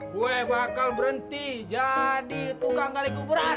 gue bakal berhenti jadi tukang kali kuburan